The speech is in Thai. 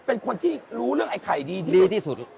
เป็นคนที่รู้เรื่องไอ้ไข่ดีที่สุด